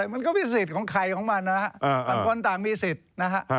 มันก็มีสิทธิ์ของใครของมันนะฮะต่างคนต่างมีสิทธิ์นะฮะ